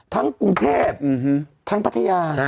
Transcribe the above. กรุงเทพทั้งพัทยา